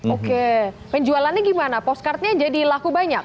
oke penjualannya gimana postcardnya jadi laku banyak